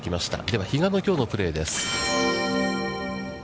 では、比嘉のきょうのプレーです。